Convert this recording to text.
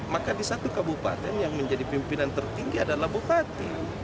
maka di satu kabupaten yang menjadi pimpinan tertinggi adalah bupati